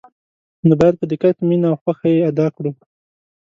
نو باید په دقت، مینه او خوښه یې ادا کړو.